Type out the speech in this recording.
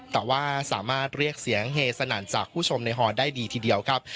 แต่ว่าสามารถเรียกเสียงเฮสนั่นจากผู้ชมในฮอได้ดีทีเดียวครับ